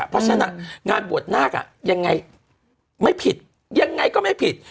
เพราะฉะนั้นงานบวชนาคยังไงไม่ผิดยังไงก็ไม่ผิด